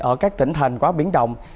ở các tỉnh thành quá biến động